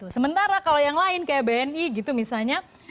sementara kalau yang lain kayak bni gitu misalnya